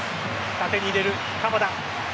縦に入れる、鎌田。